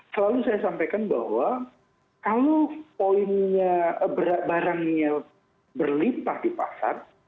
selalu saya sampaikan bahwa kalau barangnya berlipah di pasar